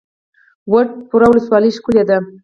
وټه پور ولسوالۍ ښکلې ده؟